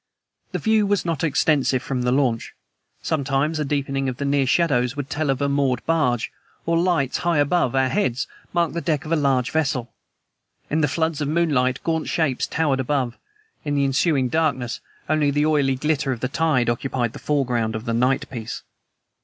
The view was not extensive from the launch. Sometimes a deepening of the near shadows would tell of a moored barge, or lights high above our heads mark the deck of a large vessel. In the floods of moonlight gaunt shapes towered above; in the ensuing darkness only the oily glitter of the tide occupied the foreground of the night piece.